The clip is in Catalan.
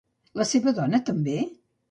La seva dona també?